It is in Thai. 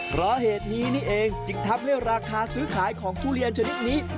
เพราะเหตุนี้นี่เองจึงทำให้ราคาซื้อขายของทุเรียนชนิดนี้